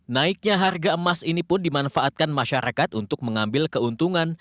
naiknya harga emas ini pun dimanfaatkan masyarakat untuk mengambil keuntungan